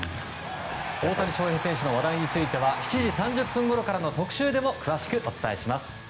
大谷選手の話題については７時３０分ごろからの特集で詳しくお伝えします。